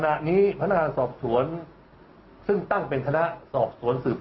ขณะนี้พนักงานสอบสวนซึ่งตั้งเป็นคณะสอบสวนสืบ